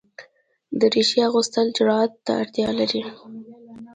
دریشي اغوستل جرئت ته اړتیا لري.